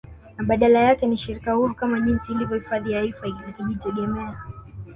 Na badala yake ni shirika huru kama jinsi ilivyo hifadhi ya aifa likijitegemea